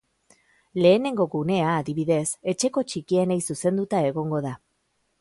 Lehenengo gunea, adibidez, etxeko txikienei zuzenduta egongo da.